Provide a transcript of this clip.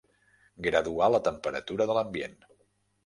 Graduar la temperatura de l'ambient.